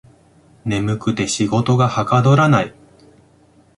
眠くて仕事がはかどらない